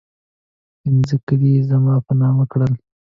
پنځه کلي یې زما په نامه کړل.